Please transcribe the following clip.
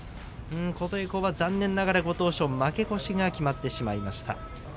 琴恵光は残念ながらご当所負け越しが決まってしまいました。